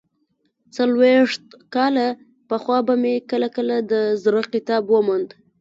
څلوېښت کاله پخوا به مې کله کله د زړه کتاب وموند.